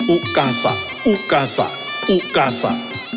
อุกาสะอุกาสะอุกาสะ